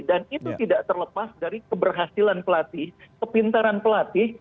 dan itu tidak terlepas dari keberhasilan pelatih kepintaran pelatih